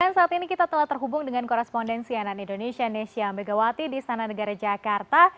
dan saat ini kita telah terhubung dengan korespondensi anan indonesia nesya ambegawati di stana negara jakarta